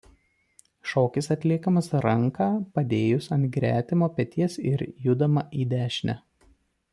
Šokis atliekamas ranką padėjus ant gretimo peties ir judama į dešinę.